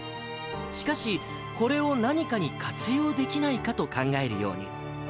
しかし、これを何かに活用できないかと考えるように。